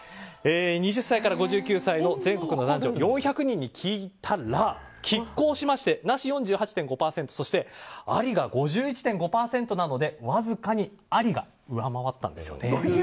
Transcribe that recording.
２０歳から５９歳の全国の男女４００人に聞いたら拮抗しましてなし４８．５％そして、ありが５１．５％でわずかにありが上回ったんです。